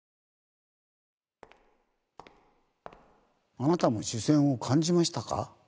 あなたも視線を感じましたか？